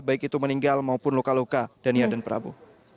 baik itu meninggal maupun luka luka dan iya dan perabu